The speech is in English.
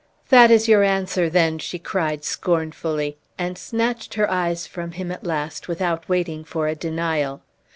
"That is your answer, then!" she cried scornfully, and snatched her eyes from him at last, without waiting for a denial.